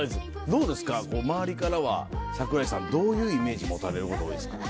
どうですか周りからは桜井さんどういうイメージ持たれること多いですか？